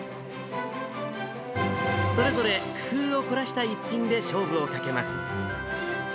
それぞれ工夫を凝らした一品で勝負をかけます。